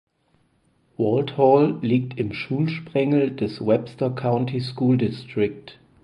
Walthall liegt im Schulsprengel des "Webster County School District".